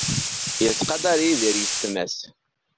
Yettqadar Yidir yessetma-s.